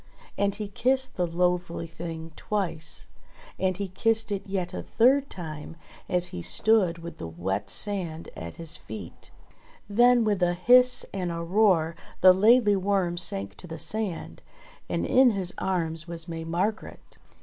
And he kissed the loathly thing twice. And he kissed it yet a third time as he stood with the wet sand at his feet. THE LAIDLY WORM 131 Then with a hiss and a roar the Laidly Worm sank to the sand, and in his arms was May Margret